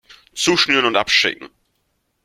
Zuschnüren und abschicken!